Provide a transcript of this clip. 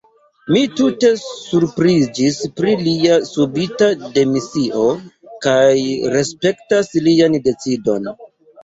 Mi tute surpriziĝis pri lia subita demisio, kaj respektas lian decidon.